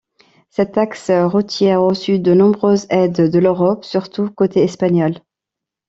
Cet axe routier a reçu de nombreuses aides de l'Europe, surtout côté espagnol.